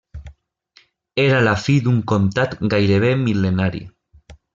Era la fi d'un comtat gairebé mil·lenari.